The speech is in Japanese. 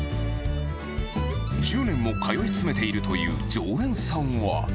１０年も通い詰めているという常連さんは。